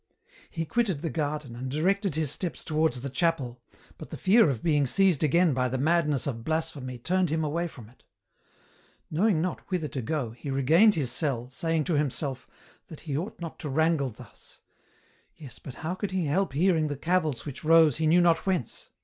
He quitted the garden, and directed his steps towards the chapel, but the fear of being seized again by the madness of blasphemy turned him away from it. Knowing not whither to go, he regained his cell, saying to himself, that he ought not to wrangle thus ; yes, but how could he help hearing the cavils which rose he knew not whence